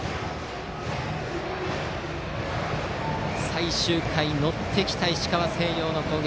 最終回、乗ってきた石川・星稜の攻撃。